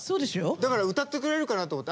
だから歌ってくれるかなと思って。